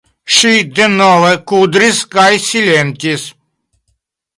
Ŝi denove kudris kaj silentis.